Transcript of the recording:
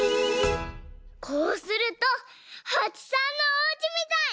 こうするとはちさんのおうちみたい！